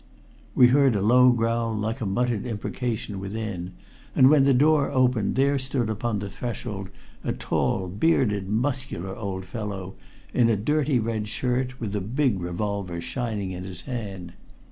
We heard a low growl like a muttered imprecation within, and when the door opened there stood upon the threshold a tall, bearded, muscular old fellow in a dirty red shirt, with a big revolver shining in his hand.